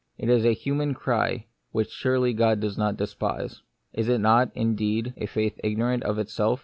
It is a human cry, which surely God does not despise. Is it not, indeed, a faith ignorant of itself